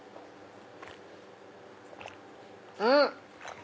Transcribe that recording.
うん！